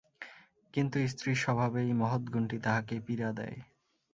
কিন্তু, স্ত্রীর স্বভাবে এই মহৎ গুণটি তাহাকে পীড়া দেয়।